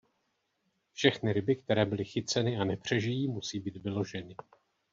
Všechny ryby, které byly chyceny a nepřežijí, musí být vyloženy.